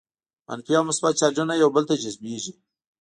منفي او مثبت چارجونه یو بل ته جذبیږي.